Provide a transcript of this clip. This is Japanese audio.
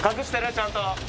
ちゃんと。